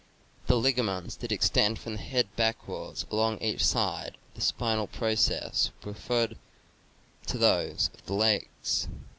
The ligaments that extend from the head backwards along each side of the spinal process were preferred to those of the legs.